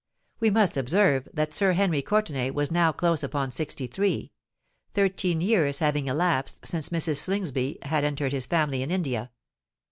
We must observe that Sir Henry Courtenay was now close upon sixty three—thirteen years having elapsed since Mrs. Slingsby had entered his family in India.